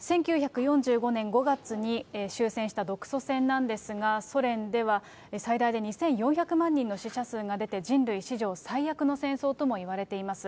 １９４５年５月に終戦した独ソ戦なんですが、ソ連では最大で２４００万人の死者数が出て、人類史上最悪の戦争ともいわれています。